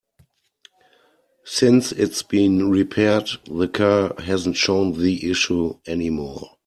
Since it's been repaired, the car hasn't shown the issue any more.